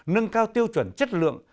nâng cao tiêu chuẩn chất lượng